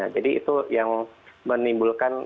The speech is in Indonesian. jadi itu yang menimbulkan